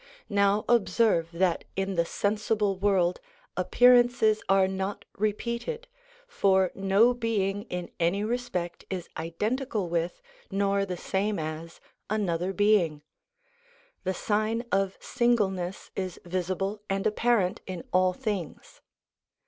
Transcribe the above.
Now observe 320 SOME ANSWERED QUESTIONS that in the sensible world, appearances are not repeated, for no being in any respect is identical with, nor the same as, another being. The sign of singleness is visible and apparent in all things.